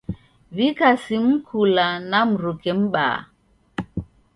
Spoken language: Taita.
W'ika simu kula na mruke m'baa.